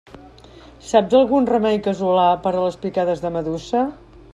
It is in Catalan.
Saps algun remei casolà per a les picades de medusa?